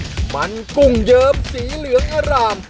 ส้มเข้มมันกุ้งเยิมสีเหลืองอร่าม